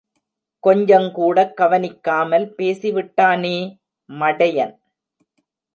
கொஞ்சங்கூட கவனிக்காமல் பேசிவிட்டானே.......... மடையன்.